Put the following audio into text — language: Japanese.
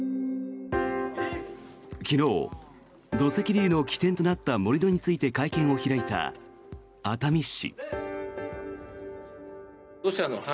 昨日、土石流の起点となった盛り土について会見を開いた熱海市。